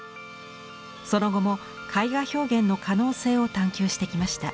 その後も絵画表現の可能性を探求してきました。